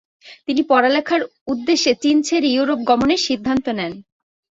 তিনি পড়ালেখার উদ্দেশ্যে চীন ছেড়ে ইউরোপ গমনের সিদ্ধান্ত নেন।